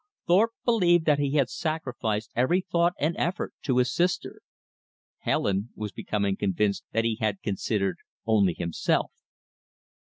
Thorpe believed that he had sacrificed every thought and effort to his sister. Helen was becoming convinced that he had considered only himself.